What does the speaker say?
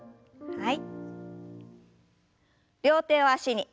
はい。